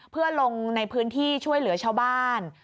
เพื่อลงในพื้นที่ช่วยเหลือชาวบ้าน